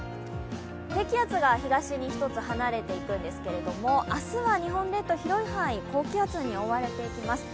低気圧が東に１つ離れていくんですけれども、明日は日本列島、広い範囲、高気圧に覆われていきます。